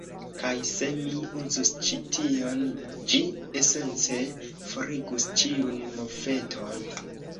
Kaj se mi uzus ĉi tion, ĝi esence forigus ĉiun moveton